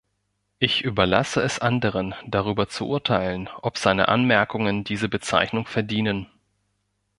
Ich überlasse es anderen, darüber zu urteilen, ob seine Anmerkungen diese Bezeichnung verdienen.